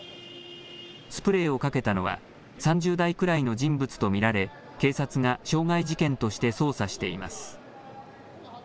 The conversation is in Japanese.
スプレーをかけたのは３０代くらいの人物と見られ警察が傷害事件として捜査しています。